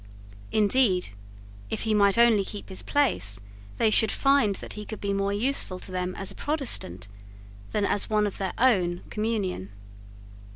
Indeed, if he might only keep his place, they should find that he could be more useful to them as a Protestant than as one of their own communion.